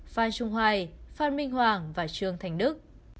phan trung hoài phan minh hoàng và trương thành đức